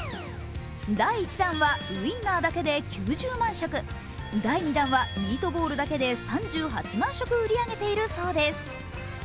第１弾はウインナーだけで９０万食第２弾はミートボールだけで３８万食を売り上げているそうです。